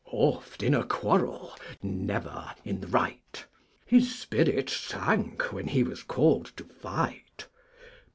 Oft in a Quarrel, never in the Right, His Spirit sank when he was called to fight.